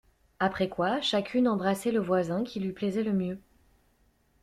Après quoi chacune embrassait le voisin qui lui plaisait le mieux.